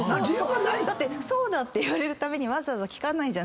だってそうだって言われるために聞かないじゃないですか。